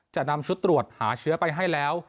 จะนำชุดตรวจหาเชื้อไปให้แล้ว